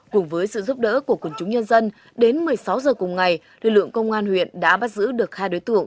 cùng với sự giúp đỡ của quần chúng nhân dân đến một mươi sáu giờ cùng ngày lực lượng công an huyện đã bắt giữ được hai đối tượng